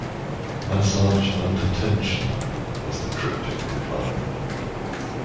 Massage under tension, was the cryptic reply.